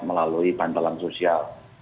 melalui bantalan sosial